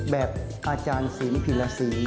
แบบอาจารย์ศีลพิลศี